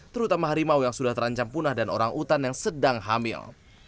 terutama harimau yang sudah terancam punah dan orang utan yang sedang hamil